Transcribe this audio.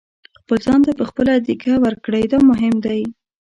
خپل ځان ته په خپله دېکه ورکړئ دا مهم دی.